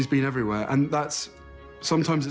ลงประหว่าง๒๐๒๕ปี